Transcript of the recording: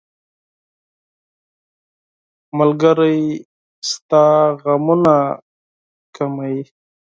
ملګری ستا غمونه کموي.